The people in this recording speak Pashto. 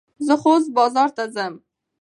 زه خوست بازور ته څم.